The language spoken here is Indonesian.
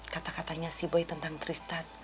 kata katanya si boy tentang tristan